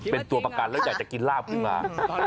เป็นตัวประกันแล้วอยากจะกินลาบขึ้นมา